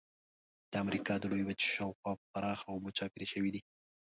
د امریکا د لویې وچې شاو خوا پراخه اوبه چاپېره شوې دي.